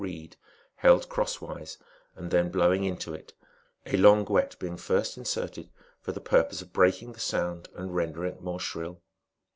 511 reed held crosswise, and then blowing into it, a languette being first inserted, for the purpose of breaking the sound and ren dering it more shrill.